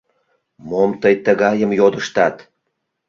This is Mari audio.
— Мом тый тыгайым йодыштат?